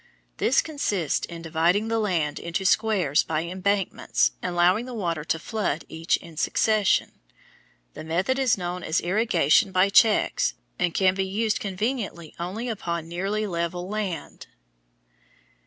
This consists in dividing the land into squares by embankments and allowing the water to flood each in succession. The method is known as irrigation by checks, and can be used conveniently only upon nearly level land.